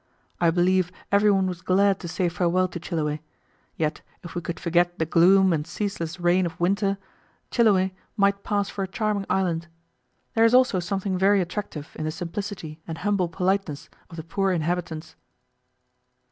I believe every one was glad to say farewell to Chiloe; yet if we could forget the gloom and ceaseless rain of winter, Chiloe might pass for a charming island. There is also something very attractive in the simplicity and humble politeness of the poor inhabitants.